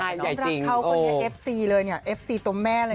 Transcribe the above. สับประหลาดเขาในเอฟซี่เลยเนี่ยเอฟซี่ตัวแม่เลย